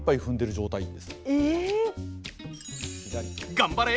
頑張れ！